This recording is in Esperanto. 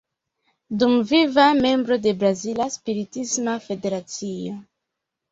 Dumviva membro de Brazila Spiritisma Federacio.